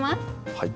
はい。